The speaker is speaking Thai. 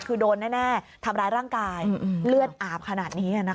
คือโดนแน่ทำร้ายร่างกายเลือดอาบขนาดนี้